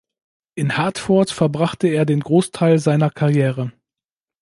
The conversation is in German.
In Hartford verbrachte er den Großteil seiner Karriere.